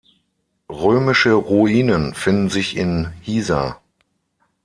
Römische Ruinen finden sich in Hisar.